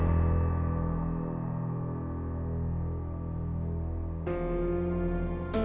malin jangan lupa